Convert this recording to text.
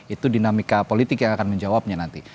itu dinamika politik yang akan menjawabnya nanti